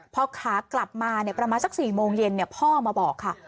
พอขากลับมาเนี้ยประมาณสักสี่โมงเย็นเนี้ยพ่อมาบอกค่ะ